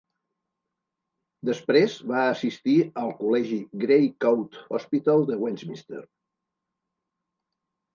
Després va assistir al col·legi Gray Coat Hospital de Westminster.